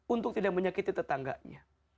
untuk tidak menyakiti tetangganya